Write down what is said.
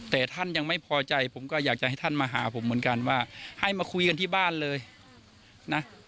แต่ท่านยังไม่พอใจผมก็อยากจะให้ท่านมาหาผมเหมือนกันว่าให้มาคุยกันที่บ้านเลยนะ